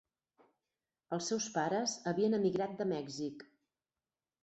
Els seus pares havien emigrat de Mèxic.